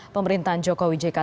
pemerintahan joko widodo